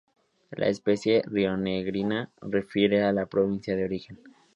La especie, rionegrina, refiere a la provincia de origen.